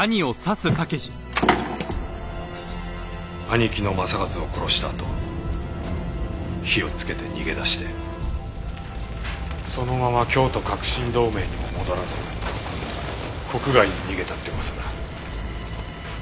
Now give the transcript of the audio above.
兄貴の政一を殺したあと火をつけて逃げ出してそのまま京都革新同盟にも戻らず国外に逃げたって噂だ。